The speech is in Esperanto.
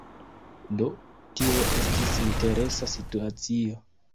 Do, tio estis interesa situacio.